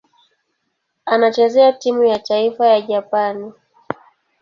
Anachezea timu ya taifa ya Japani.